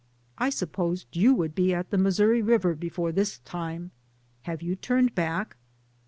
I supposed you would be at the Missouri River before this time, have you turned back?"